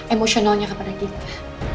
emosionalnya kepada kita